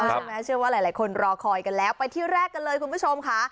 เชื่อว่าหลายคนรอคอยกันแล้วไปที่แรกกันเลยคุณผู้ชมค่ะ